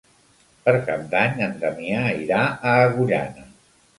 Per Cap d'Any en Damià irà a Agullana.